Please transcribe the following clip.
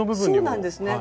そうなんですね。